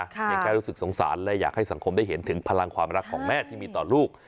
ยังแค่รู้สึกสงสารและอยากให้สังคมได้เห็นถึงพลังความรักของแม่ที่มีต่อลูก